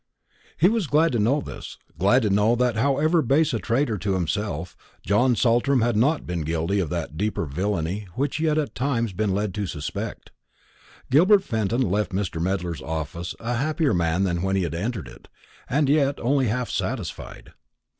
He was glad to know this glad to know that however base a traitor to himself, John Saltram had not been guilty of that deeper villany which he had at times been led to suspect. Gilbert Fenton left Mr. Medler's office a happier man than when he had entered it, and yet only half satisfied.